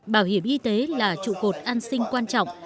bảo hiểm y tế là trụ cột an sinh quan trọng